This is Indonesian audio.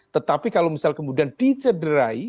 tetapi kalau misal kemudian dicederai